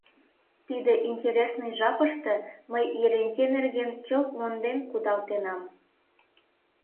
Тиде интересный жапыште мый Еренте нерген чылт монден кудалтенам.